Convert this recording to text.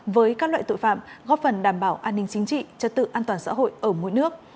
với các loại tội phạm góp phần đảm bảo an ninh chính trị trật tự an toàn xã hội ở mỗi nước